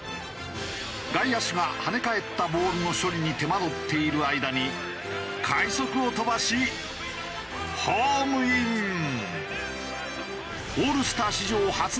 外野手が跳ね返ったボールの処理に手間取っている間に快足を飛ばしホームイン！を記録。